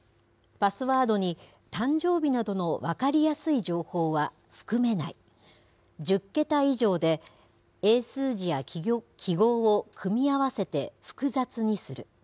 パスワードに、誕生日などの分かりやすい情報は含めない、１０桁以上で、英数字や記号を組み合わせて複雑にする。